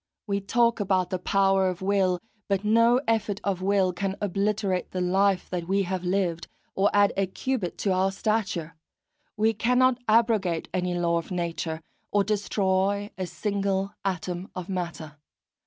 We talk about the power of the will, but no effort of will can obliterate the life that we have lived, or add a cubit to our stature; we cannot abrogate any law of nature, or destroy a single atom of matter.